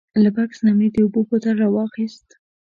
له بکس نه مې د اوبو بوتل راواخیست.